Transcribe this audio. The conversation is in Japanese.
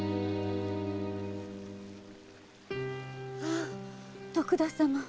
あ徳田様。